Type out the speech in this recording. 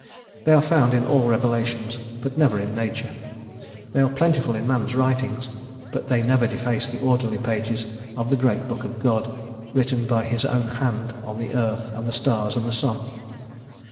They are found in all revelations, but never in nature, they are plentiful in man's writings, but they never deface the orderly pages of the great book of God, written by His own Hand on the earth, and the stars, and the sun.